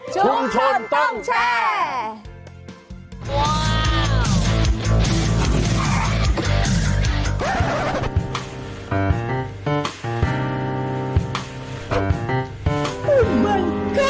ชุมชนต้องแชร์